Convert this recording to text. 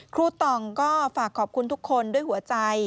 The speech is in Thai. ต่องก็ฝากขอบคุณทุกคนด้วยหัวใจ